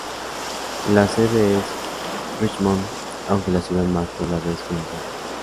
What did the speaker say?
La sede es Richmond aunque la ciudad más poblada es Windsor.